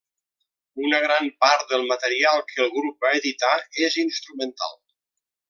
Una gran part del material que el grup va editar és instrumental.